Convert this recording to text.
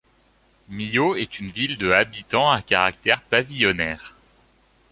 Milhaud est une ville de habitants à caractère pavillonnaire.